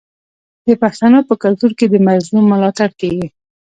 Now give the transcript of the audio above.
د پښتنو په کلتور کې د مظلوم ملاتړ کیږي.